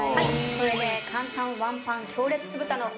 これで簡単ワンパン強烈酢豚の完成です！